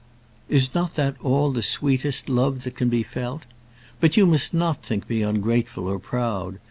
"Is not that all the sweetest love that can be felt? But you must not think me ungrateful, or proud.